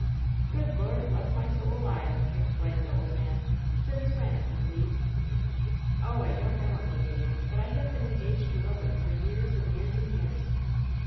"Good Lord bless my soul alive !" exclaimed the old man. "Since when, if you please?" "Oh, I don't know. Uncle Gideon; but I have been en gaged to Roland for years and years and years."